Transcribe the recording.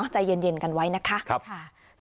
ใจเย็นกันไว้นะคะ